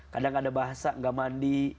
kadang ada bahasa gak mandi